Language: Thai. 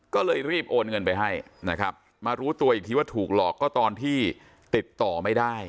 ก็เลยรีบโอนเงินไปให้นะครับมารู้ตัวอีกทีว่าถูกหลอกก็ตอนที่ติดต่อไม่ได้